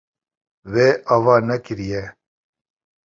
Wê ava nekiriye.